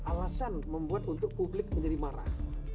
alasan membuat untuk publik menjadi marah